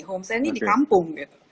home saya ini di kampung